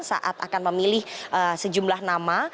saat akan memilih sejumlah nama